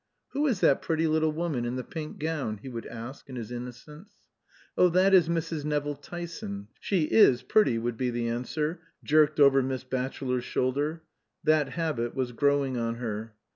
"Who is that pretty little woman in the pink gown?" he would ask in his innocence. "Oh, that is Mrs. Nevill Tyson. She is pretty," would be the answer, jerked over Miss Batchelor's shoulder. (That habit was growing on her.)